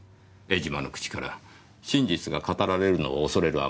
江島の口から真実が語られるのを恐れる